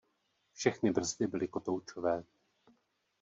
Všechny brzdy byly kotoučové.